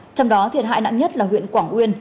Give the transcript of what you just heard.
trong đó thiệt hại nặng nhất là huyện quảng uyên